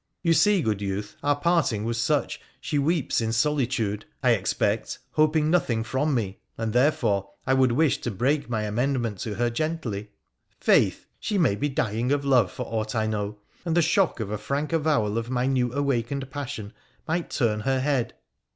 You see, good youth, our parting was such she weeps in solitude, I expect, hoping nothing from me, and therefore, I would wish to break my amendment to her gently. Faith ! she may be dying of love for aught I know, and the shock of a frank avowal of my new awakened passion might turn her head.'